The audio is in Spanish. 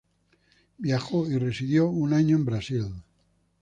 Viajó y residió un año en Brasil.